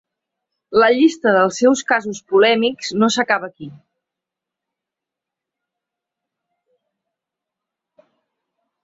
La llista dels seus casos polèmics no s’acaba aquí.